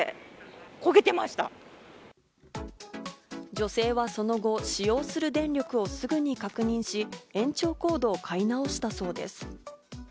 女性はその後、使用する電力をすぐに確認し、延長コードを買いなおしたそうです。